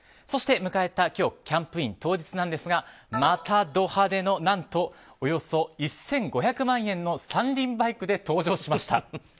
そして迎えた今日キャンプイン当日なんですがまたド派手の何とおよそ１５００万円の３輪バイクで登場しました。